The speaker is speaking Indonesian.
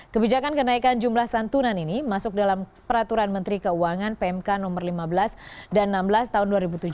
kebijakan kenaikan jumlah santunan ini masuk dalam peraturan menteri keuangan pmk no lima belas dan enam belas tahun dua ribu tujuh belas